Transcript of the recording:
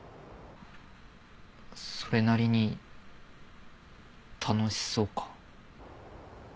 それなりに楽しそうか。